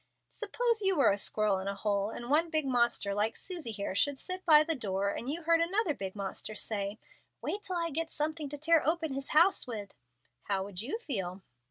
"Suppose you were the squirrel in the hole, and one big monster, like Susie here, should sit by the door, and you heard another big monster say, 'Wait till I get something to tear open his house with.' How would you feel?"